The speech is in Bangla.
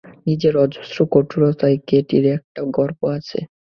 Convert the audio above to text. নিজের অজস্র কঠোরতায় কেটির একটা গর্ব আছে।